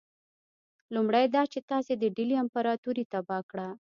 لومړی دا چې تاسي د ډهلي امپراطوري تباه کړه.